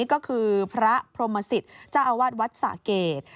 ก็คือพระพรมศิษย์จ้าวาสวัสดิ์สาเกต